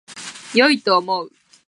良いと思う